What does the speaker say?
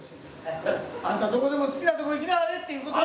あんたどこでも好きなとこ行きなはれっていうことや！